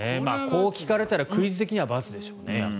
こう聞かれたらクイズ的には×でしょうね。